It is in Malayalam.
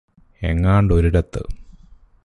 എങ്ങാണ്ടൊരിടത്ത്